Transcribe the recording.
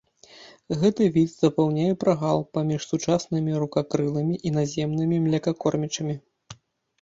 Гэты від запаўняе прагал паміж сучаснымі рукакрылымі і наземнымі млекакормячымі.